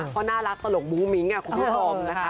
เพราะน่ารักตลกมุ้งมิ้งคุณผู้ชมนะคะ